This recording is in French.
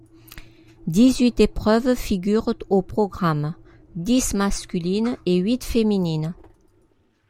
Dix-huit épreuves figurent au programme, dix masculines et huit féminines.